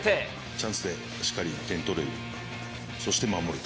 チャンスでしっかり点を取る、そして守る。